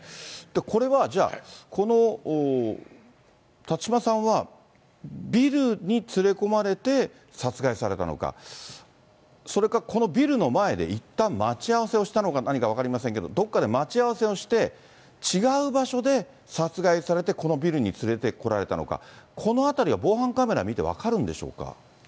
これはじゃあ、この辰島さんは、ビルに連れ込まれて殺害されたのか、それか、このビルの前でいったん待ち合わせをしたのか何か分かりませんけど、どこかで待ち合わせをして、違う場所で殺害されて、このビルに連れてこられたのか、このあたりは防犯カメラ見て、分かるんでしょうか。